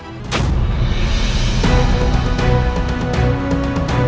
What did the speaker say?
kami akan berhenti